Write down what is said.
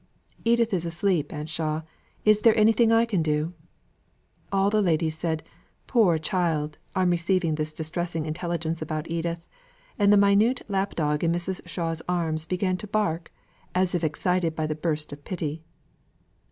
"Edith is asleep, Aunt Shaw. Is it anything I can do?" All the ladies said "poor child!" on receiving this distressing intelligence about Edith; and the minute lap dog in Mrs. Shaw's arms began to bark, as if excited by the burst of pity.